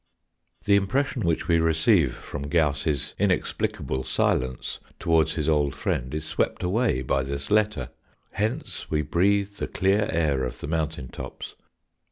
The impression which we receive from Gauss's in explicable silence towards his old friend is swept away by this letter. Hence we breathe the clear air of the mountain tops.